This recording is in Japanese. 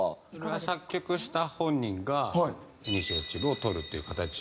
作曲した本人がイニシアチブを取るっていう形を。